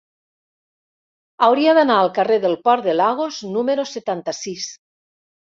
Hauria d'anar al carrer del Port de Lagos número setanta-sis.